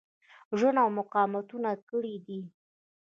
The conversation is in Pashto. ژوند او مقاومتونه کړي دي.